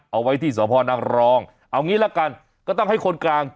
เอาไว้ที่สพนังรองเอางี้ละกันก็ต้องให้คนกลาง